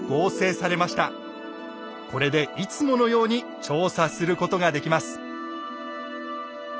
これでいつものように調査することができます！